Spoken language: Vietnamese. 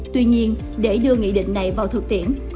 tuy nhiên để đưa nghị định này vào thực tiễn